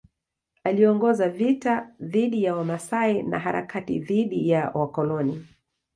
Aliongoza vita dhidi ya Wamasai na harakati dhidi ya wakoloni.